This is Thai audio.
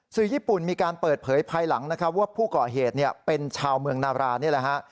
สื่อญี่ปุ่นมีการเปิดเผยภายหลังนะครับว่าผู้ก่อเหตุเป็นชาวเมืองนาบรานี่แหละฮะ